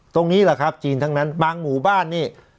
ตรงนี้แหละครับจีนทั้งนั้นบางหมู่บ้านนี่